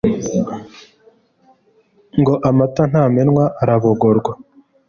ngo amata ntamenwa arabogorwa